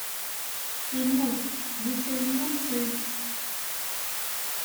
Immut. D isali unṣib.